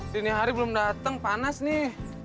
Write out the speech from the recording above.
dini hari belum datang panas nih